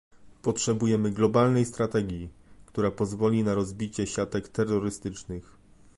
Potrzebujemy globalnej strategii, która pozwoli na rozbicie siatek terrorystycznych